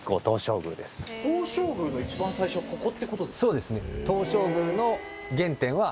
そうですね。